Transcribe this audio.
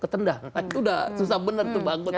ketendah sudah susah benar bangun